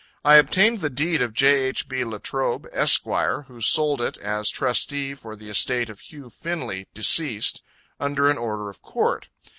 I obtained the deed of J. H. B. Latrobe, Esq., who sold it, as trustee for the estate of Hugh Finley, deceased, under an order of Court.